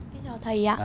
xin chào thầy ạ